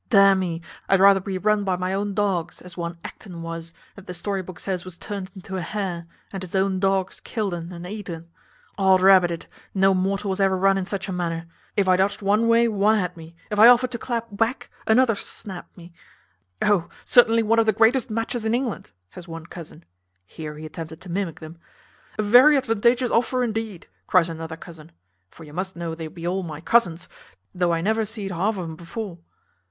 D n me, I'd rather be run by my own dogs, as one Acton was, that the story book says was turned into a hare, and his own dogs killed un and eat un. Od rabbit it, no mortal was ever run in such a manner; if I dodged one way, one had me; if I offered to clap back, another snapped me. `O! certainly one of the greatest matches in England,' says one cousin (here he attempted to mimic them); `A very advantageous offer indeed,' cries another cousin (for you must know they be all my cousins, thof I never zeed half o' um before).